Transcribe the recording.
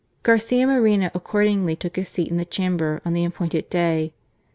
Garcia Moreno accordingly took his seat in the Chamber on the appointed day.